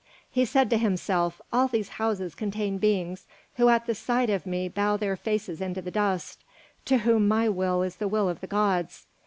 He said to himself: "All these houses contain beings who at the sight of me bow their faces into the dust, to whom my will is the will of the gods.